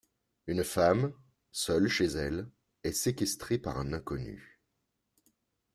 Une femme, seule chez elle, est séquestrée par un inconnu.